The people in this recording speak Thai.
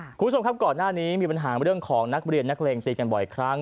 คุณผู้ชมครับก่อนหน้านี้มีปัญหาเรื่องของนักเรียนนักเลงตีกันบ่อยครั้ง